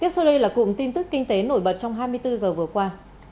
tiếp sau đây là cùng tin tức kinh tế nổi bật trong hai mươi bốn h vừa qua